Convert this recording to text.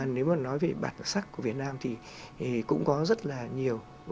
nếu mà nói về bản sắc của việt nam thì cũng có rất là nhiều